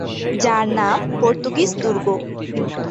যার নাম পর্তুগীজ দুর্গ।